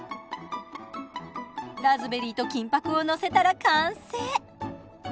ラズベリーと金箔をのせたら完成。